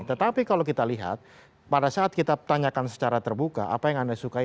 tetapi kalau kita lihat pada saat kita tanyakan secara terbuka apa yang anda sukai